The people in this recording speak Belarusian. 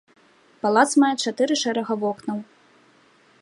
Палац мае чатыры шэрага вокнаў.